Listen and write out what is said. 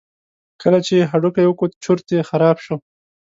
کله چې یې هډوکی وکوت چورت یې خراب شو.